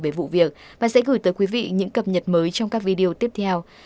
về vụ việc và sẽ gửi tới quý vị những cập nhật mới trong các video tiếp theo